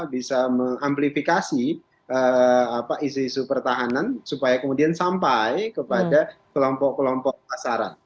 bisa mengamplifikasi isu isu pertahanan supaya kemudian sampai kepada kelompok kelompok pasaran